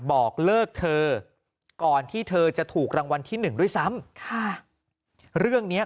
บอกเลิกเธอก่อนที่เธอจะถูกรางวัลที่หนึ่งด้วยซ้ำค่ะเรื่องเนี้ย